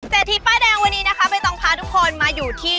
ทีป้ายแดงวันนี้นะคะใบตองพาทุกคนมาอยู่ที่